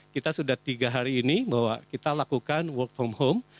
kita sudah tiga hari ini bahwa kita lakukan work from home